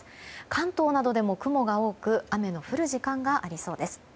関東などでも雲が多く雨の降る時間がありそうです。